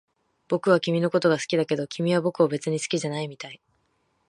僕は君のことが好きだけど、君は僕を別に好きじゃないみたい